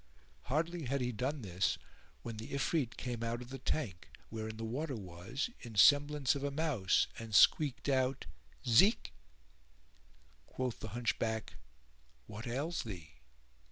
Hardly had he done this when the Ifrit came out of the tank, [FN#418] wherein the water was, in semblance of a mouse and squeaked out "Zeek!" Quoth the Hunchback, "What ails thee?"